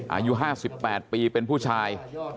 อายุ๕๘ปีเป็นผู้ชาย